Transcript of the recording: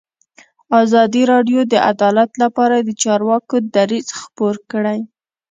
ازادي راډیو د عدالت لپاره د چارواکو دریځ خپور کړی.